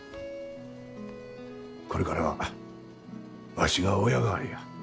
これからはワシが親代わりや。